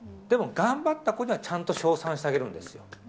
でも頑張った子もちゃんと称賛してあげるんですよ。